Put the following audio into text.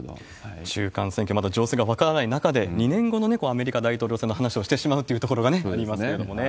中間選挙、まだ情勢が分からない中で、２年後のアメリカ大統領選の話をしてしまうというところがありますけれどもね。